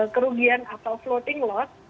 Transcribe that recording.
kerugian atau floating loss